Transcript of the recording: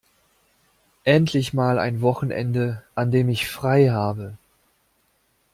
Endlich mal ein Wochenende, an dem ich frei habe!